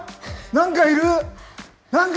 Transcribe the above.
なんかいる！